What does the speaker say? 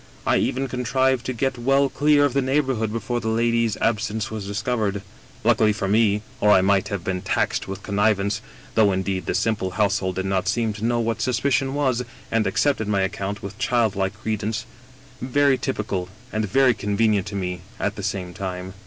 I even contrived to get well clear of the neighborhood before the lady's ab sence was discovered. Luckily for me— or I might have been taxed with connivance, though indeed the simple household did not seem to know what suspicion was, and accepted my account with childlike credence — very t)rpical, and very convenient to me at the same time."